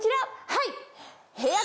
はい！